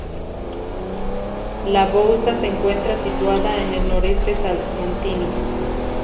La Bouza se encuentra situada en el noroeste salmantino.